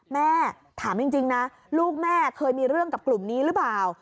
แม่ถามจริงนะลูกแม่เคยมีเรื่องกับกลุ่มนี้หรือเปล่า